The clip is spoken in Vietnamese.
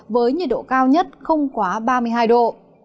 với nhiệt độ cao nhất không quá ba mươi hai độ